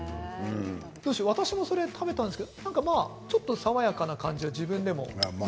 私も食べたんですがちょっと爽やかな感じが自分でも。